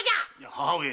母上。